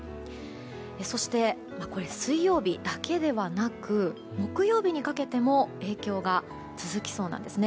そして、水曜日だけではなく木曜日にかけても影響が続きそうなんですね。